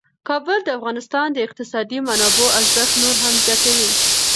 کابل د افغانستان د اقتصادي منابعو ارزښت نور هم زیاتوي.